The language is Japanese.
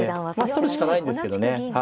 まあ取るしかないんですけどね。